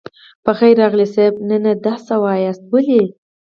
په خير راغلئ صيب نه نه دا څه واياست ولې.